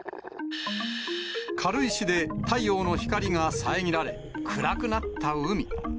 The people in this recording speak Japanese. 軽石で太陽の光が遮られ、暗くなった海。